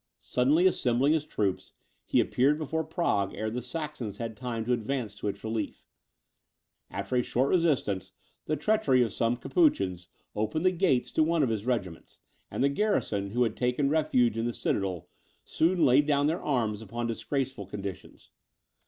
Suddenly assembling his troops, he appeared before Prague ere the Saxons had time to advance to its relief. After a short resistance, the treachery of some Capuchins opens the gates to one of his regiments; and the garrison, who had taken refuge in the citadel, soon laid down their arms upon disgraceful conditions.